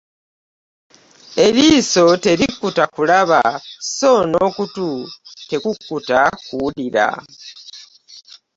Eriiso terikkuta kulaba, so n'okutu tekukkuta okuwulira.